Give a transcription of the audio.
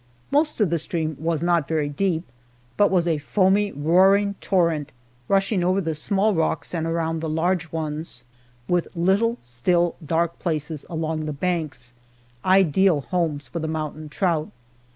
Most of the stream was not very deep, but was a foamy, roaring torrent, rushing over the small rocks and around the large ones, with little, still, dark places along the banks ideal homes for the mountain trout.